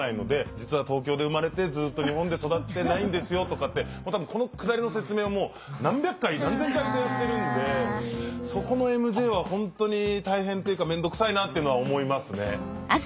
実は東京で生まれてずっと日本で育ってないんですよとかってこのくだりの説明をもう何百回何千回とやってるんでそこのＭＪは本当に大変っていうかめんどくさいなっていうのは思いますね。